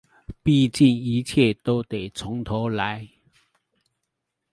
畢竟一切都得從頭來